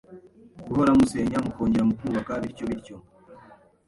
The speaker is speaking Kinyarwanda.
guhora musenya mukongera mukubaka bityo bityo.